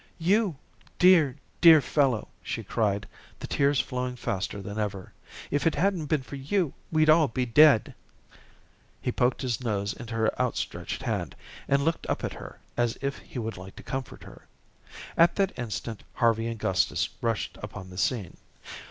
"You dear, dear fellow," she cried, the tears flowing faster than ever. "If it hadn't been for you we'd all be dead." He poked his nose into her outstretched hand, and looked up at her as if he would like to comfort her. At that instant Harvey and Gustus rushed upon the scene.